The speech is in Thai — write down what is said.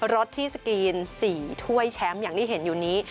รถที่สกรีน๔ถ้วยแชมป์อย่างที่เห็นอยู่นี้